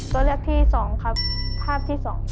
ตัวเลือกที่๒ครับภาพที่๒